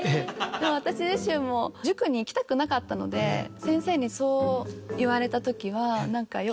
でも私自身も塾に行きたくなかったので先生にそう言われたときは何か。